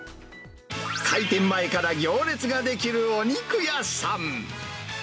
開店前から行列が出来るお肉屋さん。